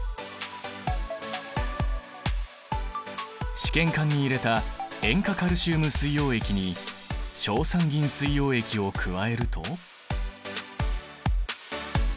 試験管に入れた塩化カルシウム水溶液に硝酸銀水溶液を加えると。